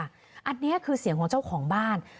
อันนี้คือเสียงของเจ้าของบ้าน